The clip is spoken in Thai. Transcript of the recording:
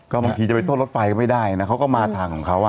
บางทีจะไปต้นรถไฟก็ไม่ได้นะเขาก็มาทางของเขา